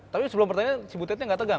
tapi sebelum pertanyaan cibutetnya nggak tegang